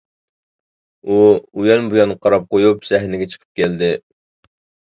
ئۇ ئۇيان-بۇيان قاراپ قۇيۇپ سەھنىگە چىقىپ كەلدى.